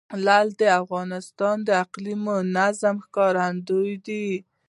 لعل د افغانستان د اقلیمي نظام ښکارندوی ده.